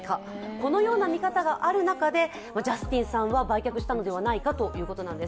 このような見方がある中でジャスティンさんは売却したのではないかということです。